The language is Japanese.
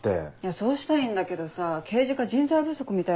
そうしたいんだけどさ刑事課人材不足みたいだから。